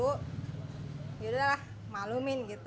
ya sudah lah malumin gitu